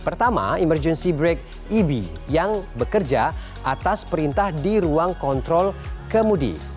pertama emergency break eb yang bekerja atas perintah di ruang kontrol kemudi